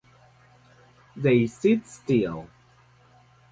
They sit still.